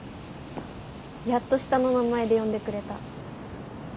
やっと下の名前で呼んでくれた。